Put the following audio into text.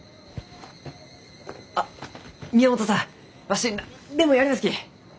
あっ宮本さんわし何でもやりますき！